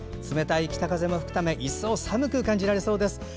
冷たい北風も吹くため一層寒く感じられそうです。